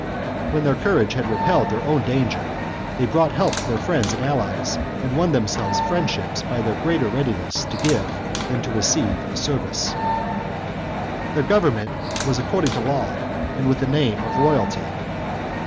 When their courage had repelled their own danger, they brought help to their friends and allies, and won themselves friendships by their greater readiness to give than to receive a service. Their government was according to law, and with the name of "royalty."